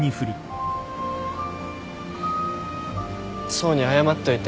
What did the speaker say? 想に謝っといて。